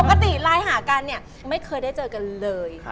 ปกติไลน์หากันเนี่ยไม่เคยได้เจอกันเลย